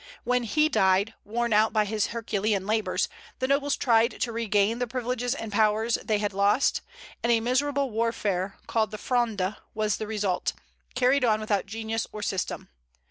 When he died, worn out by his herculean labors, the nobles tried to regain the privileges and powers they had lost, and a miserable warfare called the "Fronde" was the result, carried on without genius or system.